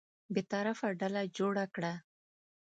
بېطرفه ډله جوړه کړه.